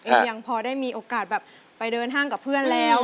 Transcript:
ยังพอได้มีโอกาสแบบไปเดินห้างกับเพื่อนแล้ว